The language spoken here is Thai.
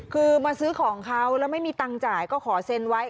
คือมาซื้อของเขาแล้วไม่มีตังค์จ่ายก็ขอเซ็นไว้